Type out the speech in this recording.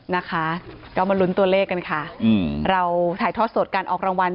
นะคะเดี๋ยวเอามาลุ้นตัวเลขกันค่ะเราถ่ายทอดสดการออกรางวัล